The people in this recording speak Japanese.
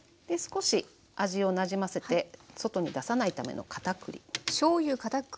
で少し味をなじませて外に出さないためのかたくり。